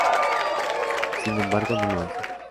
Sin embargo, no lo hace.